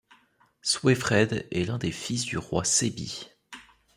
Swæfred est l'un des fils du roi Sæbbi.